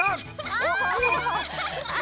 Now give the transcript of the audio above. ああ！